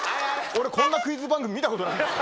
俺、こんなクイズ番組見たことない。